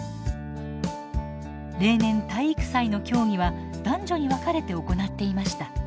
例年体育祭の競技は男女に分かれて行っていました。